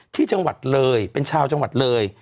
ที่จังหวัดเลยเป็นชาวจังหวัดเลย